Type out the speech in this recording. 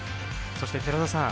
そして寺田さん